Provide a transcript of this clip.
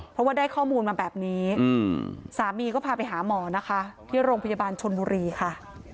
เพราะว่าได้ข้อมูลมาแบบนี้สามีก็พาไปหาหมอนะคะที่โรงพยาบาลชนบุรีค่ะ